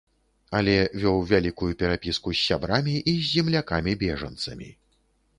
Але вёў вялікую перапіску з сябрамі і з землякамі-бежанцамі.